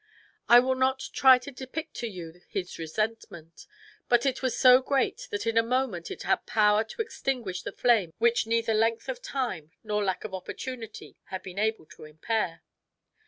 I will not try to depict to you his resentment, but it was so great that in a moment it had power to extinguish the flame which neither length of time nor lack of opportunity had been able to impair.